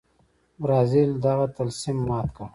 برازیل دغه طلسم مات کړ.